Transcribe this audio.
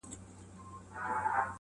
د خواري کونډي زويه، خپلي روټۍ ژويه!